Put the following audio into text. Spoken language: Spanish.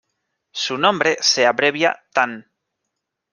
Su nombre se abrevia tan.